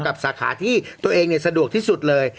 สาขาที่ตัวเองสะดวกที่สุดเลย